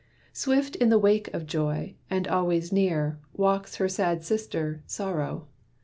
Swift in the wake of Joy, and always near, Walks her sad sister Sorrow.